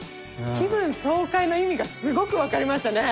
「気分爽快」の意味がすごく分かりましたね。